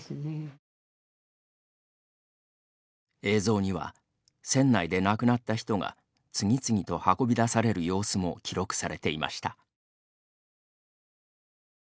映像には船内で亡くなった人が次々と運び出される様子も記録されていました。